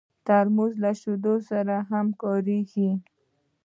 ترموز له شیدو سره هم کارېږي.